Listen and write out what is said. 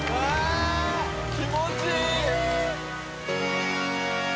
気持ちいい！